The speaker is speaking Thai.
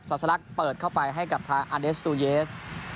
สลักเปิดเข้าไปให้กับทางอเดสตูเยส